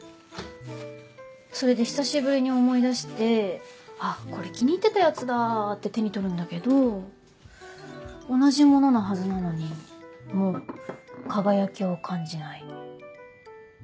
それで久しぶりに思い出して「あこれ気に入ってたやつだ」って手に取るんだけど同じもののはずなのにもう輝きを感じない。